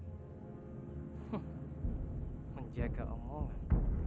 huh menjaga omongan